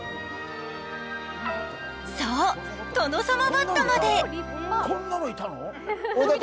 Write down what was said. そう、トノサマバッタまで。